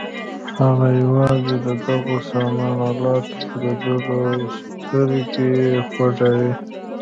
هغه یوازې د دغو سامان الاتو په لیدلو سترګې خوږوي.